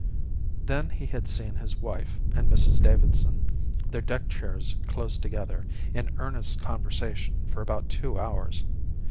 Then he had seen his wife and Mrs Davidson, their deck chairs close together, in earnest conversation for about two hours.